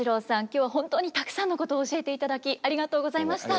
今日は本当にたくさんのことを教えていただきありがとうございました。